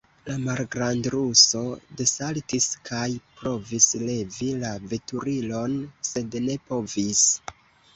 La malgrandruso desaltis kaj provis levi la veturilon, sed ne povis.